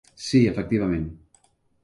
Sí, efectivament.